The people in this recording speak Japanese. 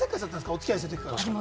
お付き合いしてるときから。